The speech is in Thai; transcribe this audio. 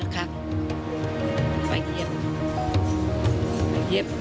อันดับ๖๓๕จัดใช้วิจิตร